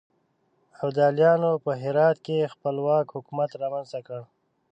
ابدالیانو په هرات کې خپلواک حکومت رامنځته کړ.